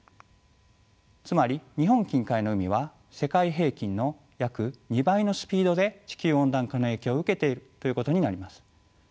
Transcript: つまり日本近海の海は世界平均の約２倍のスピードで地球温暖化の影響を受けているということになります。